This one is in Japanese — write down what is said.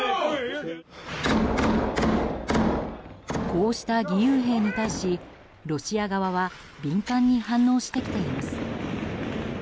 こうした義勇兵に対しロシア側は敏感に反応してきています。